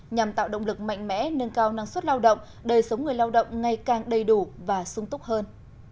nhằm tạo động lực mạnh mẽ nâng cao năng suất lao động đời sống người lao động ngày càng đầy đủ và sung túc hơn